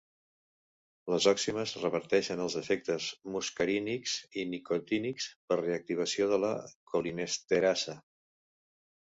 Les oximes reverteixen els efectes muscarínics i nicotínics per reactivació de la colinesterasa.